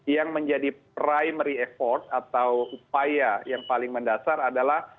yang menjadi primary effort atau upaya yang paling mendasar adalah